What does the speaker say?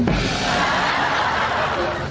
พี่ชื่ออะไร